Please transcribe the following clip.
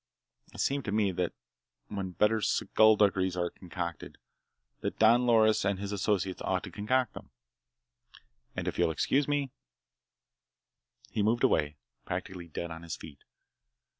It seemed to me that when better skulduggeries are concocted, that Don Loris and his associates ought to concoct them. And if you'll excuse me—" He moved away, practically dead on his feet.